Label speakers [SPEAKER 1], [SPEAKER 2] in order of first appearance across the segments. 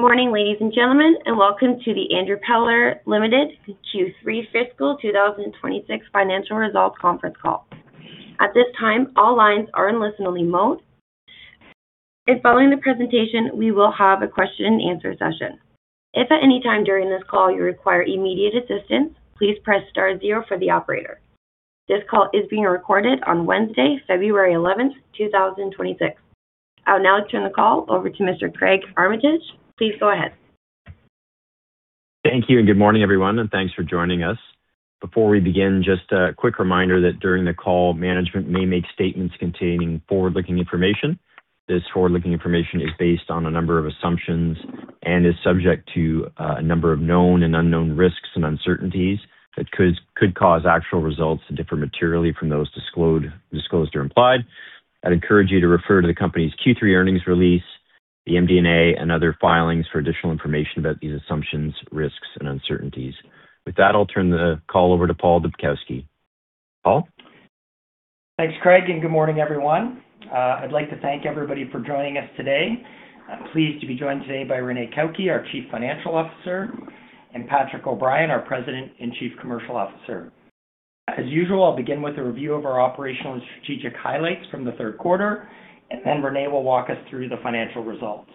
[SPEAKER 1] Good morning, ladies and gentlemen, and welcome to the Andrew Peller Limited Q3 Fiscal 2026 Financial Results Conference Call. At this time, all lines are in listen-only mode. If following the presentation, we will have a question and answer session. If at any time during this call you require immediate assistance, please press star zero for the operator. This call is being recorded on Wednesday, February 11, 2026. I'll now turn the call over to Mr. Craig Armitage. Please go ahead.
[SPEAKER 2] Thank you, and good morning, everyone, and thanks for joining us. Before we begin, just a quick reminder that during the call, management may make statements containing forward-looking information. This forward-looking information is based on a number of assumptions and is subject to a number of known and unknown risks and uncertainties that could cause actual results to differ materially from those disclosed or implied. I'd encourage you to refer to the company's Q3 earnings release, the MD&A, and other filings for additional information about these assumptions, risks, and uncertainties. With that, I'll turn the call over to Paul Dubkowski. Paul?
[SPEAKER 3] Thanks, Craig, and good morning, everyone. I'd like to thank everybody for joining us today. I'm pleased to be joined today by Renee Cauchi, our Chief Financial Officer, and Patrick O'Brien, our President and Chief Commercial Officer. As usual, I'll begin with a review of our operational and strategic highlights from the third quarter, and then Renee will walk us through the financial results.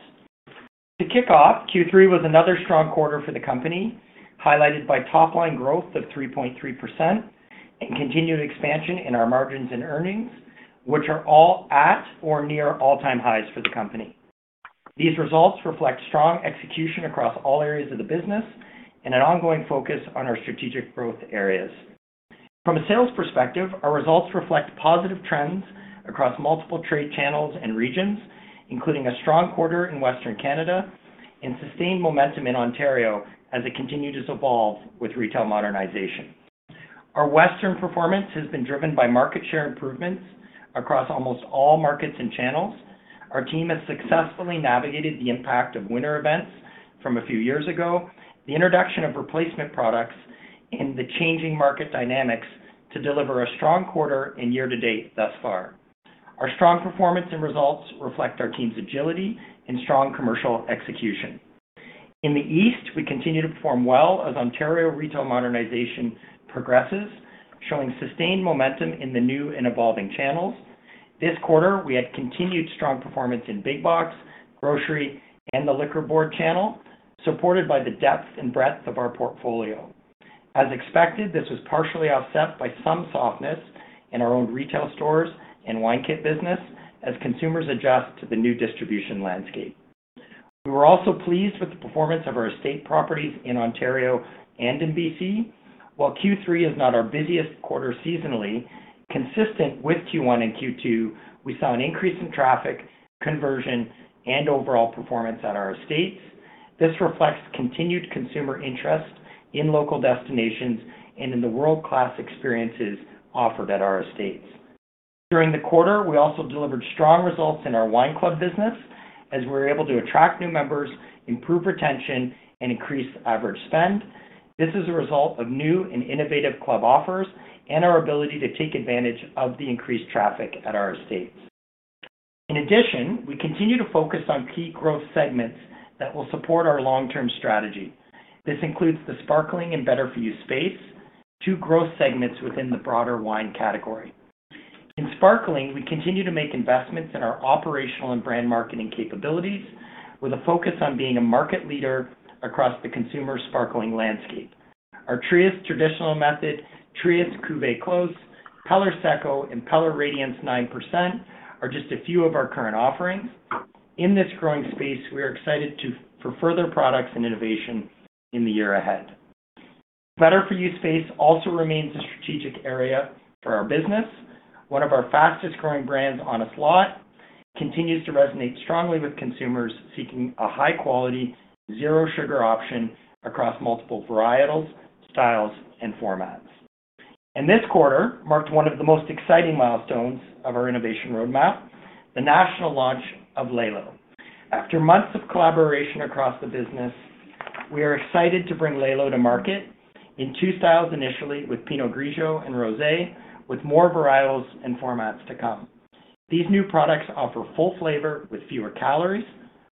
[SPEAKER 3] To kick off, Q3 was another strong quarter for the company, highlighted by top-line growth of 3.3% and continued expansion in our margins and earnings, which are all at or near all-time highs for the company. These results reflect strong execution across all areas of the business and an ongoing focus on our strategic growth areas. From a sales perspective, our results reflect positive trends across multiple trade channels and regions, including a strong quarter in Western Canada and sustained momentum in Ontario as it continues to evolve with retail modernization. Our Western performance has been driven by market share improvements across almost all markets and channels. Our team has successfully navigated the impact of winter events from a few years ago, the introduction of replacement products, and the changing market dynamics to deliver a strong quarter and year-to-date thus far. Our strong performance and results reflect our team's agility and strong commercial execution. In the East, we continue to perform well as Ontario retail modernization progresses, showing sustained momentum in the new and evolving channels. This quarter, we had continued strong performance in big box, grocery, and the liquor board channel, supported by the depth and breadth of our portfolio. As expected, this was partially offset by some softness in our own retail stores and wine kit business as consumers adjust to the new distribution landscape. We were also pleased with the performance of our estate properties in Ontario and in BC. While Q3 is not our busiest quarter seasonally, consistent with Q1 and Q2, we saw an increase in traffic, conversion, and overall performance at our estates. This reflects continued consumer interest in local destinations and in the world-class experiences offered at our estates. During the quarter, we also delivered strong results in our wine club business as we were able to attract new members, improve retention, and increase average spend. This is a result of new and innovative club offers and our ability to take advantage of the increased traffic at our estates. In addition, we continue to focus on key growth segments that will support our long-term strategy. This includes the sparkling and better-for-you space, two growth segments within the broader wine category. In sparkling, we continue to make investments in our operational and brand marketing capabilities, with a focus on being a market leader across the consumer sparkling landscape. Our Trius Traditional Method, Trius Cuvée Close, Peller Secco, and Peller Radiance 9% are just a few of our current offerings. In this growing space, we are excited to for further products and innovation in the year ahead. Better-for-you space also remains a strategic area for our business. One of our fastest-growing brands Honest Lot continues to resonate strongly with consumers seeking a high-quality, zero-sugar option across multiple varietals, styles, and formats. This quarter marked one of the most exciting milestones of our innovation roadmap, the national launch of Laylow. After months of collaboration across the business, we are excited to bring Laylow to market in two styles, initially with Pinot Grigio and rosé, with more varietals and formats to come. These new products offer full flavor with fewer calories,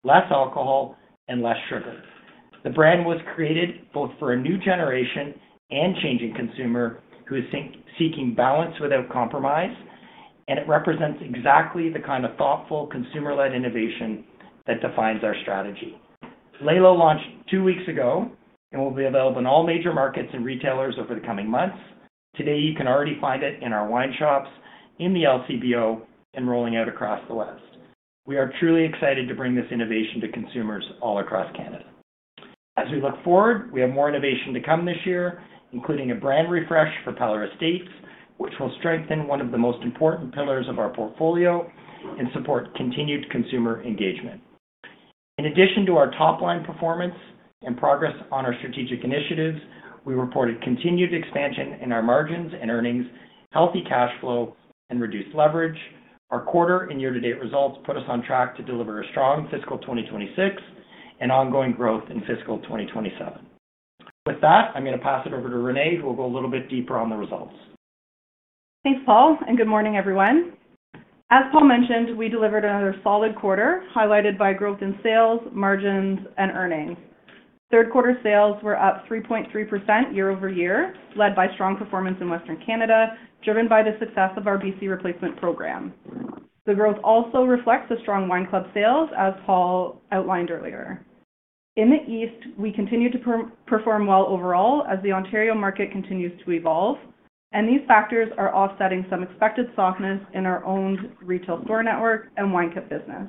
[SPEAKER 3] less alcohol, and less sugar. The brand was created both for a new generation and changing consumer who is seeking balance without compromise, and it represents exactly the kind of thoughtful, consumer-led innovation that defines our strategy. Laylow launched two weeks ago and will be available in all major markets and retailers over the coming months. Today, you can already find it in our wine shops, in the LCBO, and rolling out across the West. We are truly excited to bring this innovation to consumers all across Canada. As we look forward, we have more innovation to come this year, including a brand refresh for Peller Estates, which will strengthen one of the most important pillars of our portfolio and support continued consumer engagement. In addition to our top-line performance and progress on our strategic initiatives, we reported continued expansion in our margins and earnings, healthy cash flow, and reduced leverage. Our quarter and year-to-date results put us on track to deliver a strong Fiscal 2026 and ongoing growth in Fiscal 2027. With that, I'm going to pass it over to Renee, who will go a little bit deeper on the results.
[SPEAKER 4] Thanks, Paul, and good morning, everyone. As Paul mentioned, we delivered another solid quarter, highlighted by growth in sales, margins, and earnings. Third quarter sales were up 3.3% year-over-year, led by strong performance in Western Canada, driven by the success of our BC replacement program. The growth also reflects the strong wine club sales, as Paul outlined earlier. In the East, we continue to perform well overall as the Ontario market continues to evolve, and these factors are offsetting some expected softness in our owned retail store network and wine kit business.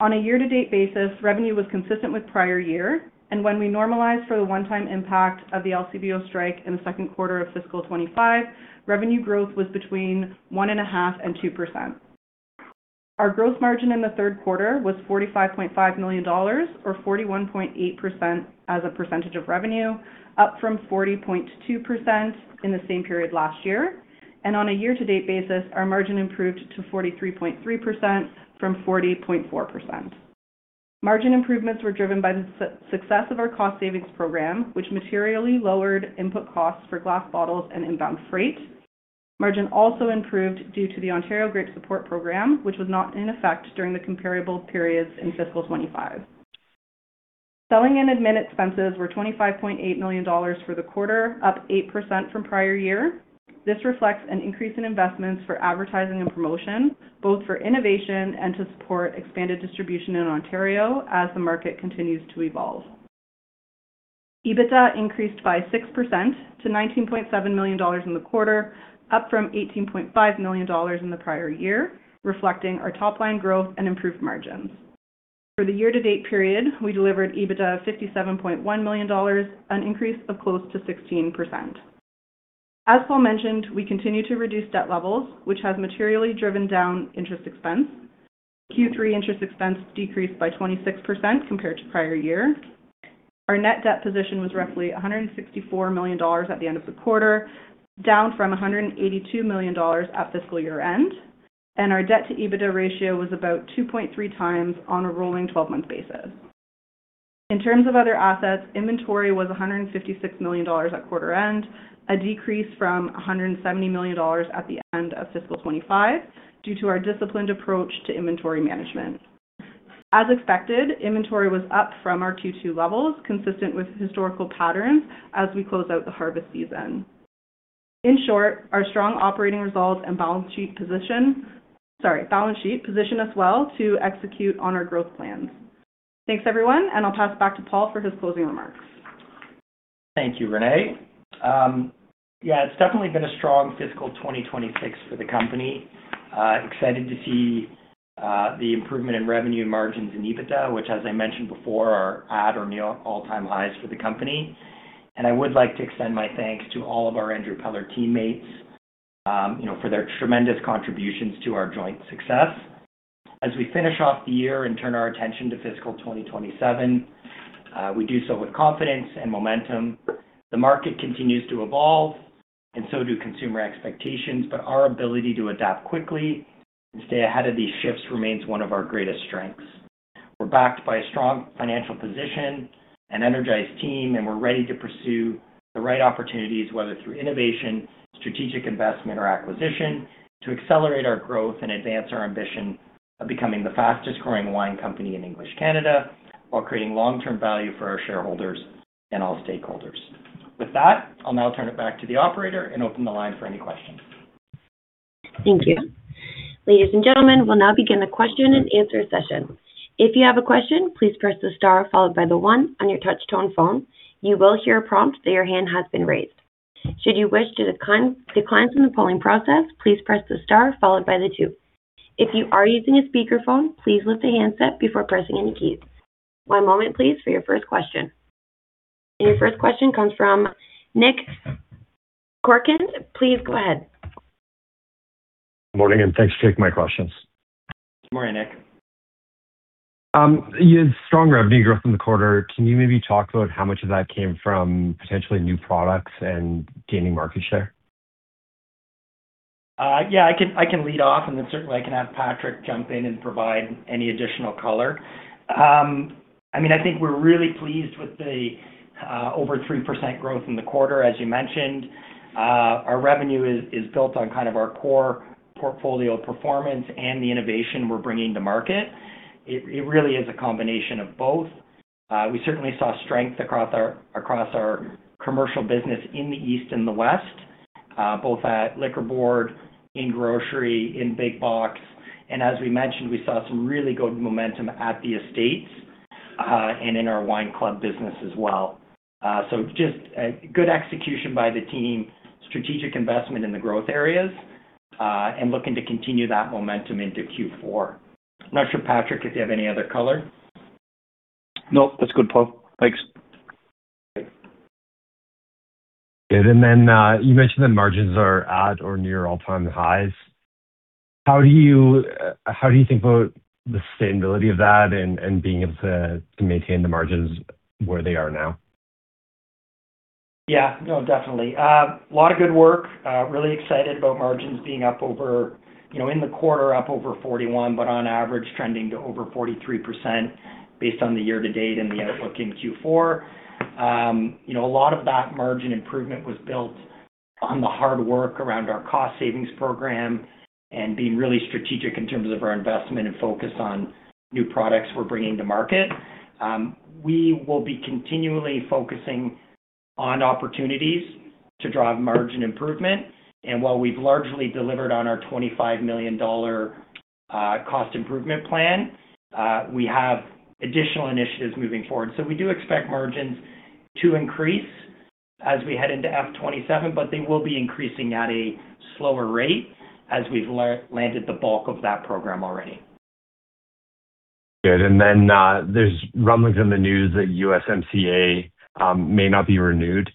[SPEAKER 4] On a year-to-date basis, revenue was consistent with prior year, and when we normalized for the one-time impact of the LCBO strike in the second quarter of fiscal 2025, revenue growth was between 1.5% and 2%. Our gross margin in the third quarter was 45.5 million dollars, or 41.8% as a percentage of revenue, up from 40.2% in the same period last year. On a year-to-date basis, our margin improved to 43.3% from 40.4%. Margin improvements were driven by the success of our cost savings program, which materially lowered input costs for glass bottles and inbound freight. Margin also improved due to the Ontario Grape Support Program, which was not in effect during the comparable periods in fiscal 2025. Selling and admin expenses were 25.8 million dollars for the quarter, up 8% from prior year. This reflects an increase in investments for advertising and promotion, both for innovation and to support expanded distribution in Ontario as the market continues to evolve. EBITDA increased by 6% to 19.7 million dollars in the quarter, up from 18.5 million dollars in the prior year, reflecting our top line growth and improved margins. For the year-to-date period, we delivered EBITDA of 57.1 million dollars, an increase of close to 16%. As Paul mentioned, we continue to reduce debt levels, which has materially driven down interest expense. Q3 interest expense decreased by 26% compared to prior year. Our net debt position was roughly 164 million dollars at the end of the quarter, down from 182 million dollars at fiscal year-end, and our debt to EBITDA ratio was about 2.3 times on a rolling twelve-month basis. In terms of other assets, inventory was 156 million dollars at quarter end, a decrease from 170 million dollars at the end of fiscal 2025, due to our disciplined approach to inventory management. As expected, inventory was up from our Q2 levels, consistent with historical patterns as we close out the harvest season. In short, our strong operating results and balance sheet position, sorry, balance sheet position us well to execute on our growth plans. Thanks, everyone, and I'll pass it back to Paul for his closing remarks.
[SPEAKER 3] Thank you, Renee. Yeah, it's definitely been a strong fiscal 2026 for the company. Excited to see the improvement in revenue margins and EBITDA, which, as I mentioned before, are at or near all-time highs for the company. And I would like to extend my thanks to all of our Andrew Peller teammates, you know, for their tremendous contributions to our joint success. As we finish off the year and turn our attention to fiscal 2027, we do so with confidence and momentum. The market continues to evolve, and so do consumer expectations, but our ability to adapt quickly and stay ahead of these shifts remains one of our greatest strengths. We're backed by a strong financial position, an energized team, and we're ready to pursue the right opportunities, whether through innovation, strategic investment, or acquisition, to accelerate our growth and advance our ambition of becoming the fastest growing wine company in English Canada, while creating long-term value for our shareholders and all stakeholders. With that, I'll now turn it back to the operator and open the line for any questions.
[SPEAKER 1] Thank you. Ladies and gentlemen, we'll now begin the question and answer session. If you have a question, please press the star followed by the one on your touch tone phone. You will hear a prompt that your hand has been raised. Should you wish to decline from the polling process, please press the star followed by the two. If you are using a speakerphone, please lift the handset before pressing any keys. One moment, please, for your first question. And your first question comes from Nick Corcoran. Please go ahead.
[SPEAKER 5] Morning, and thanks for taking my questions.
[SPEAKER 3] Good morning, Nick.
[SPEAKER 5] You had strong revenue growth in the quarter. Can you maybe talk about how much of that came from potentially new products and gaining market share?
[SPEAKER 3] Yeah, I can, I can lead off, and then certainly I can have Patrick jump in and provide any additional color. I mean, I think we're really pleased with the over 3% growth in the quarter, as you mentioned. Our revenue is, is built on kind of our core portfolio performance and the innovation we're bringing to market. It, it really is a combination of both. We certainly saw strength across our, across our commercial business in the East and the West, both at liquor board, in grocery, in big box and as we mentioned, we saw some really good momentum at the estates, and in our wine club business as well. So just a good execution by the team, strategic investment in the growth areas, and looking to continue that momentum into Q4. I'm not sure, Patrick, if you have any other color.
[SPEAKER 6] Nope, that's good, Paul. Thanks.
[SPEAKER 3] Great.
[SPEAKER 5] And then, you mentioned the margins are at or near all-time highs. How do you think about the sustainability of that and being able to maintain the margins where they are now?
[SPEAKER 3] Yeah. No, definitely. A lot of good work. Really excited about margins being up over, you know, in the quarter, up over 41%, but on average, trending to over 43% based on the year to date and the outlook in Q4. You know, a lot of that margin improvement was built on the hard work around our cost savings program and being really strategic in terms of our investment and focus on new products we're bringing to market. We will be continually focusing on opportunities to drive margin improvement, and while we've largely delivered on our 25 million dollar cost improvement plan, we have additional initiatives moving forward. So we do expect margins to increase as we head into Fiscal 2027, but they will be increasing at a slower rate as we've largely landed the bulk of that program already.
[SPEAKER 5] Good. And then, there's rumblings in the news that USMCA may not be renewed.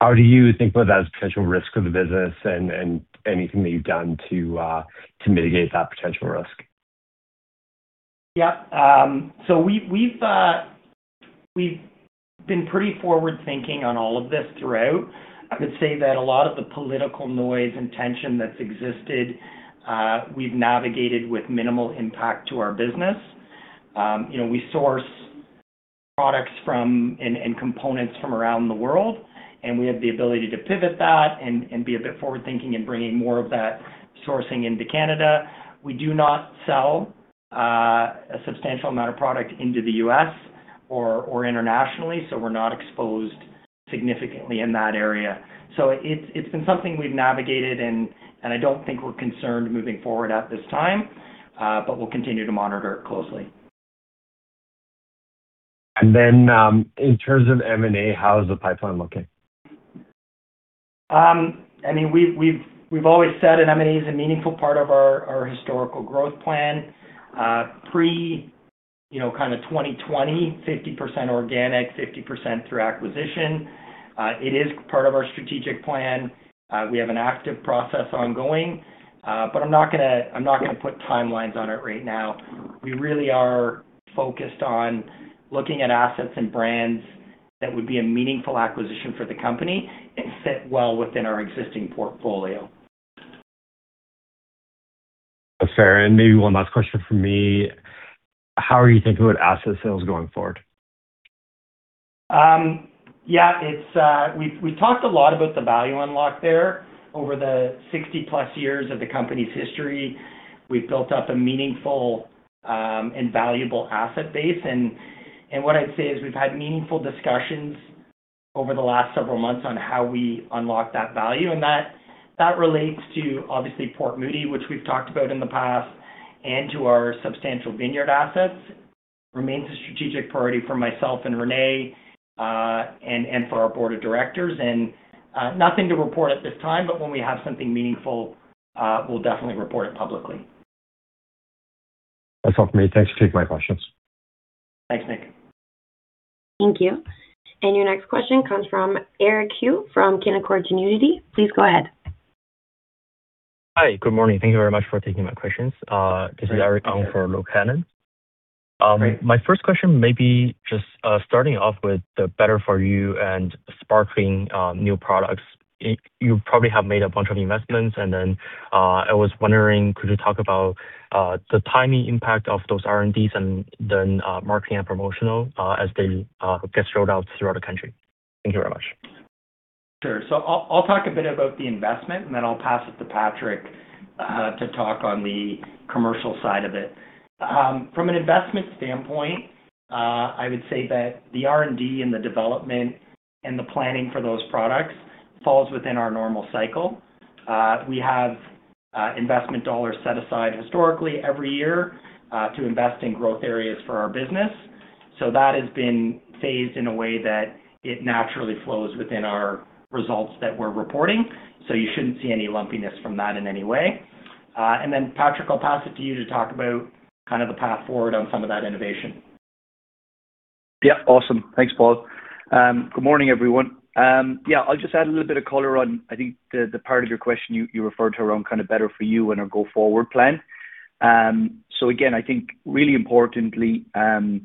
[SPEAKER 5] How do you think about that as a potential risk of the business and anything that you've done to mitigate that potential risk?
[SPEAKER 3] Yeah. So we've been pretty forward-thinking on all of this throughout. I would say that a lot of the political noise and tension that's existed, we've navigated with minimal impact to our business. You know, we source products from and components from around the world, and we have the ability to pivot that and be a bit forward-thinking in bringing more of that sourcing into Canada. We do not sell a substantial amount of product into the U.S. or internationally, so we're not exposed significantly in that area. So it's been something we've navigated and I don't think we're concerned moving forward at this time, but we'll continue to monitor it closely.
[SPEAKER 5] And then, in terms of M&A, how is the pipeline looking?
[SPEAKER 3] I mean, we've always said that M&A is a meaningful part of our historical growth plan. Pre, you know, kind of 2020, 50% organic, 50% through acquisition. It is part of our strategic plan. We have an active process ongoing, but I'm not going to put timelines on it right now. We really are focused on looking at assets and brands that would be a meaningful acquisition for the company and fit well within our existing portfolio.
[SPEAKER 5] Fair. Maybe one last question from me. How are you thinking about asset sales going forward?
[SPEAKER 3] Yeah, it's... We talked a lot about the value unlock there. Over the 60-plus years of the company's history, we've built up a meaningful and valuable asset base, and what I'd say is we've had meaningful discussions over the last several months on how we unlock that value, and that relates to, obviously, Port Moody, which we've talked about in the past, and to our substantial vineyard assets. Remains a strategic priority for myself and Renee, and for our board of directors. Nothing to report at this time, but when we have something meaningful, we'll definitely report it publicly.
[SPEAKER 5] That's all for me. Thanks for taking my questions.
[SPEAKER 3] Thanks, Nick.
[SPEAKER 1] Thank you. And your next question comes from Eric Zou from Canaccord Genuity. Please go ahead.
[SPEAKER 7] Hi. Good morning. Thank you very much for taking my questions. This is Eric on for Luke Hannan.
[SPEAKER 3] Great.
[SPEAKER 7] My first question may be just starting off with the better-for-you and sparkling new products. You probably have made a bunch of investments, and then I was wondering, could you talk about the timing impact of those R&Ds and then marketing and promotional as they get rolled out throughout the country? Thank you very much.
[SPEAKER 3] Sure. So I'll talk a bit about the investment, and then I'll pass it to Patrick to talk on the commercial side of it. From an investment standpoint, I would say that the R&D and the development and the planning for those products falls within our normal cycle. We have investment dollars set aside historically every year to invest in growth areas for our business. So that has been phased in a way that it naturally flows within our results that we're reporting. So you shouldn't see any lumpiness from that in any way. And then, Patrick, I'll pass it to you to talk about kind of the path forward on some of that innovation.
[SPEAKER 6] Yeah. Awesome. Thanks, Paul. Good morning, everyone. Yeah, I'll just add a little bit of color on, I think, the part of your question you referred to around kind of better-for-you and our go-forward plan. So again, I think really importantly, you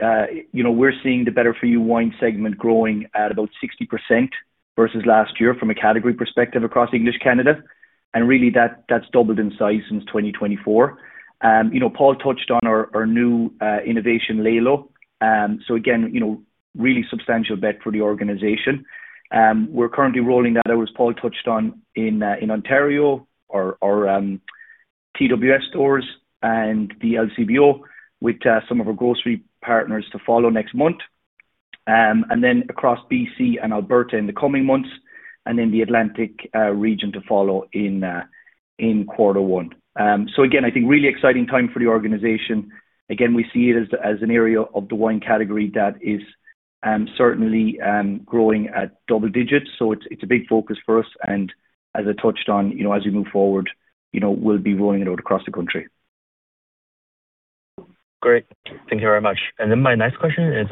[SPEAKER 6] know, we're seeing the better-for-you wine segment growing at about 60% versus last year from a category perspective across English Canada, and really, that's doubled in size since 2024. You know, Paul touched on our new innovation, Laylow. So again, you know, really substantial bet for the organization. We're currently rolling that, as Paul touched on, in Ontario, our TWS stores and the LCBO, with some of our grocery partners to follow next month. And then across BC and Alberta in the coming months, and then the Atlantic region to follow in quarter one. So again, I think really exciting time for the organization. Again, we see it as, as an area of the wine category that is, certainly, growing at double digits, so it's, it's a big focus for us, and as I touched on, you know, as we move forward, you know, we'll be rolling it out across the country.
[SPEAKER 7] Great. Thank you very much. Then my next question is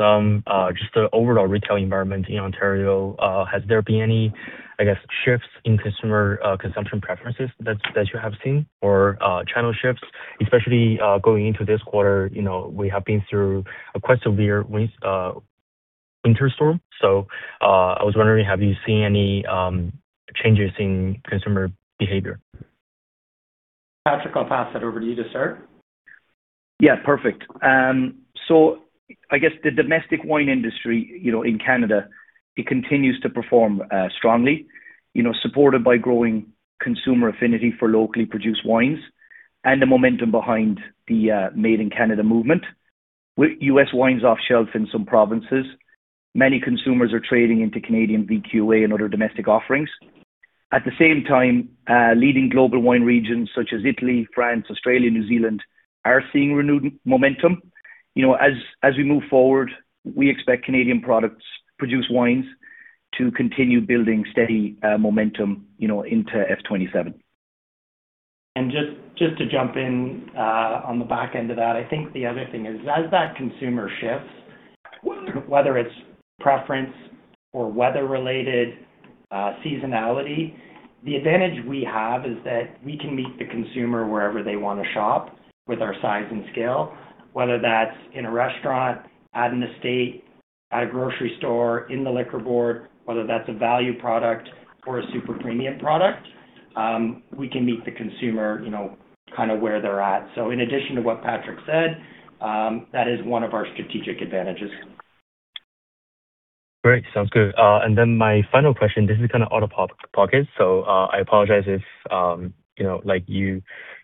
[SPEAKER 7] just the overall retail environment in Ontario. Has there been any, I guess, shifts in consumer consumption preferences that you have seen or channel shifts? Especially going into this quarter, you know, we have been through a quite severe winter storm. So I was wondering, have you seen any changes in consumer behavior?
[SPEAKER 3] Patrick, I'll pass it over to you to start.
[SPEAKER 6] Yeah, perfect. So I guess the domestic wine industry, you know, in Canada, it continues to perform strongly. You know, supported by growing consumer affinity for locally produced wines and the momentum behind the Made in Canada movement. With U.S. wines off shelf in some provinces, many consumers are trading into Canadian VQA and other domestic offerings. At the same time, leading global wine regions such as Italy, France, Australia, New Zealand, are seeing renewed momentum. You know, as we move forward, we expect Canadian products, produced wines to continue building steady momentum, you know, into F 2027.
[SPEAKER 3] And just to jump in on the back end of that, I think the other thing is, as that consumer shifts, whether it's preference or weather-related seasonality, the advantage we have is that we can meet the consumer wherever they want to shop, with our size and scale. Whether that's in a restaurant, out in the state, at a grocery store, in the liquor board, whether that's a value product or a super premium product, we can meet the consumer, you know, kind of where they're at. So in addition to what Patrick said, that is one of our strategic advantages.
[SPEAKER 7] Great. Sounds good. And then my final question, this is kind of out of pocket, so, I apologize if, you know, like you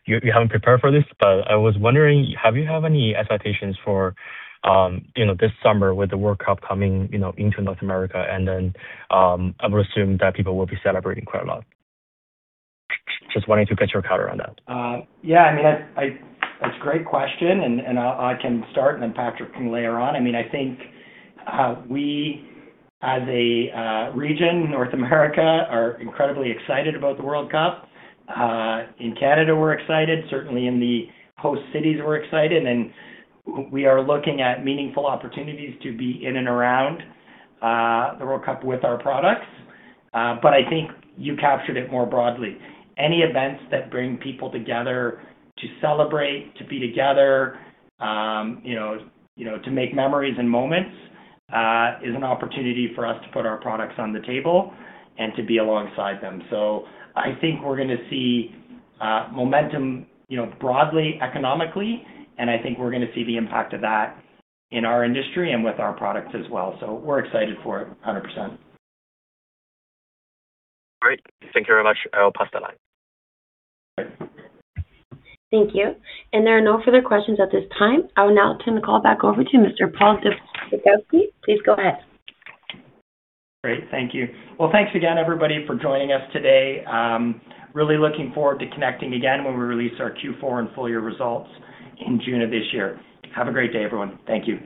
[SPEAKER 7] haven't prepared for this. But I was wondering, have you any expectations for, you know, this summer with the World Cup coming, you know, into North America? And then, I would assume that people will be celebrating quite a lot. Just wanting to get your color on that.
[SPEAKER 3] Yeah, I mean, that's a great question, and I can start, and then Patrick can layer on. I mean, I think we as a region, North America, are incredibly excited about the World Cup. In Canada, we're excited. Certainly in the host cities, we're excited, and we are looking at meaningful opportunities to be in and around the World Cup with our products. But I think you captured it more broadly. Any events that bring people together to celebrate, to be together, you know, you know, to make memories and moments is an opportunity for us to put our products on the table and to be alongside them. So I think we're gonna see, momentum, you know, broadly, economically, and I think we're gonna see the impact of that in our industry and with our products as well. So we're excited for it, 100%.
[SPEAKER 7] Great. Thank you very much. I will pass the line.
[SPEAKER 1] Thank you. There are no further questions at this time. I will now turn the call back over to Mr. Paul Dubkowski. Please go ahead.
[SPEAKER 3] Great, thank you. Well, thanks again, everybody, for joining us today. Really looking forward to connecting again when we release our Q4 and full year results in June of this year. Have a great day, everyone. Thank you.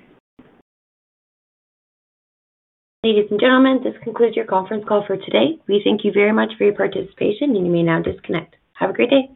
[SPEAKER 1] Ladies and gentlemen, this concludes your conference call for today. We thank you very much for your participation, and you may now disconnect. Have a great day.